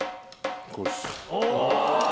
こうです。